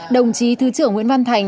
đồng chí thứ trưởng nguyễn văn thành